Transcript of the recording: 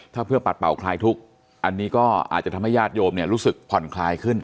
ถ้าเพื่อปัดเป่าคลายทุกข์อันนี้ก็อาจจะทำให้ญาติโยมเนี่ยรู้สึกผ่อนคลายขึ้น